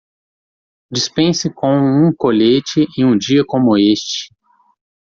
Dispense com um colete em um dia como este.